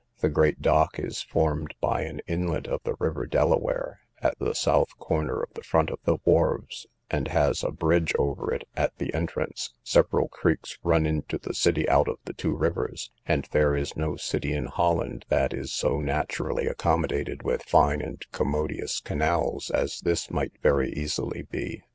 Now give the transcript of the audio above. The great dock is formed by an inlet of the river Delaware, at the south corner of the front of the wharfs, and has a bridge over it at the entrance: several creeks run into the city out of the two rivers; and there is no city in Holland that is so naturally accommodated with fine and commodious canals, as this might very easily be.